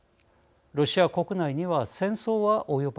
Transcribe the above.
ロシア国内には戦争は及ばない。